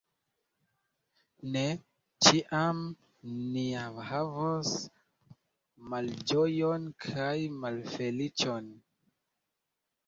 Ne ĉiam ni ja havos malĝojon kaj malfeliĉon!